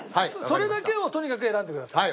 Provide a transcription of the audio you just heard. それだけをとにかく選んでください。